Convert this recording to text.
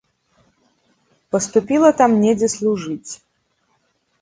Паступіла там недзе служыць.